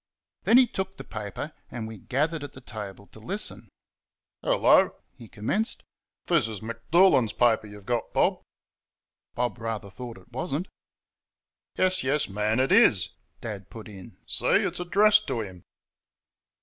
Then he took the paper, and we gathered at the table to listen. "Hello," he commenced, "this is M'Doolan's paper you've got, Bob." Bob rather thought it was n't. "Yes, yes, man, it IS," Dad put in; "see, it's addressed to him."